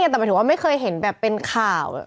ใช่แต่มันถือว่าไม่เคยเห็นแบบเป็นข่าว